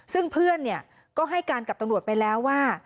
ซึ่งเพื่อนก็ให้การกับตำรวจไปแล้วว่า